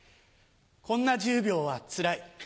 こんな１０秒はつらい。